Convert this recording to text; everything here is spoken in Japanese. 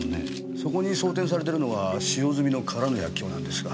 そこに装填されているのが使用済みの空の薬莢なんですが。